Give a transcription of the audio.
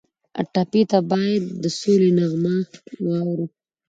ټپي ته باید د سولې نغمه واورو.